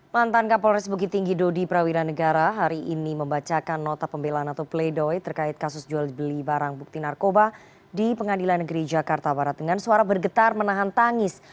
mantan kapolres bukit tinggi dodi prawira negara hari ini membacakan nota pembelaan atau pleidoy terkait kasus jual beli barang bukti narkoba di pengadilan negeri jakarta barat dengan suara bergetar menahan tangis